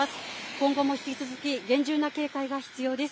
今後も引き続き厳重な警戒が必要です。